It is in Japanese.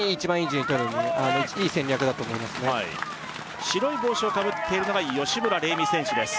順位とるのにいい戦略だと思いますね白い帽子をかぶっているのが吉村玲美選手です